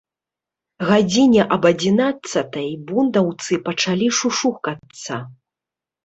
Гадзіне аб адзінаццатай бундаўцы пачалі шушукацца.